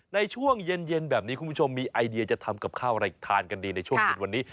ในช่วงเย็นแบบนี้คุณผู้ชมมีไอเดียจะทำกับข้าวอะไรทานกันดีในช่วงเย็นวันนี้